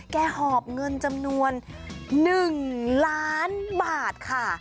หอบเงินจำนวน๑ล้านบาทค่ะ